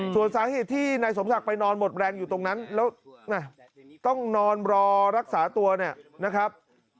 ส่วนสาเหตุที่นายสมศักดิ์ไปนอนหมดแรงอยู่ตรงนั้นแล้วต้องนอนรอรักษาตัวเนี่ยนะครับ